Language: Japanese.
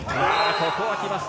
ここは来ました。